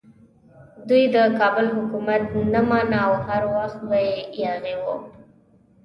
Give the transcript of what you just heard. دوی د کابل حکومت نه مانه او هر وخت به یاغي وو.